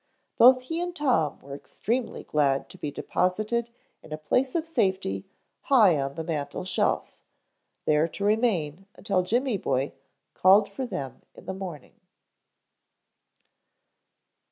Both he and Tom were extremely glad to be deposited in a place of safety high on the mantel shelf, there to remain until Jimmy boy called for them in the morning.